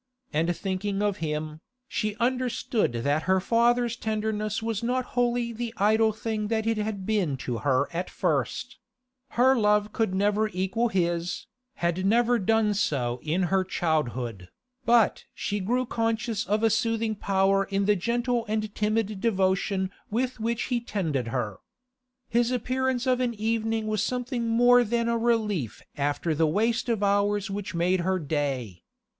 And thinking of him, she understood that her father's tenderness was not wholly the idle thing that it had been to her at first; her love could never equal his, had never done so in her childhood, but she grew conscious of a soothing power in the gentle and timid devotion with which he tended her. His appearance of an evening was something more than a relief after the waste of hours which made her day.